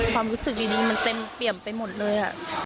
ความรู้สึกดีมันเต็มเปี่ยมไปหมดเลย